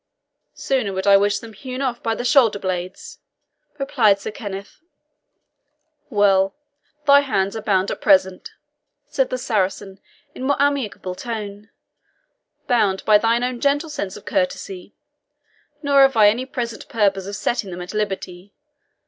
"Sooner would I wish them hewn off by the shoulder blades!" replied Sir Kenneth. "Well. Thy hands are bound at present," said the Saracen, in a more amicable tone "bound by thine own gentle sense of courtesy; nor have I any present purpose of setting them at liberty.